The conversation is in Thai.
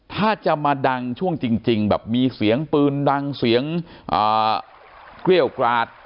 ถ้าจะมาดังช่วงจริงแบบมีเสียงปืนดังเสียงเกรี้ยวกราด